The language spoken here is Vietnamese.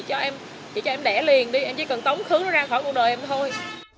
chị cho em đẻ liền đi em chỉ cần tống khứ nó ra khỏi cuộc đời em thôi